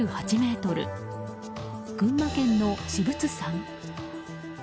群馬県の至仏山。